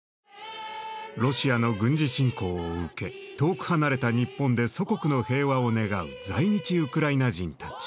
ロシアの軍事侵攻を受け遠く離れた日本で祖国の平和を願う在日ウクライナ人たち。